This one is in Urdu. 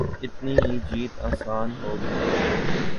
اتنی ہی جیت آسان ہو گی۔